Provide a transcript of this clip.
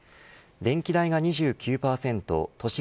電気代が２９％都市